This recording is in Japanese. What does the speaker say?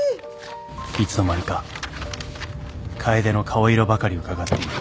いつの間にか楓の顔色ばかりうかがっている